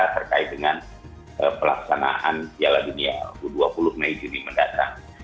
terkait dengan pelaksanaan piala dunia u dua puluh mei juni mendatang